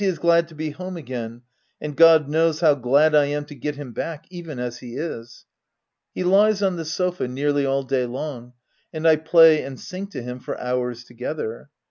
117 is glad to be home again, and God knows how glad I am to get him back, even as he is. He lies on the sofa nearly all day long ; and I play and sing to him for hours together.